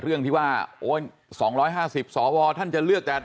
เรื่องที่ว่า๒๕๐สวท่านจะเลือกแต่